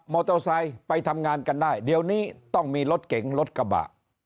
โตไซค์ไปทำงานกันได้เดี๋ยวนี้ต้องมีรถเก๋งรถกระบะ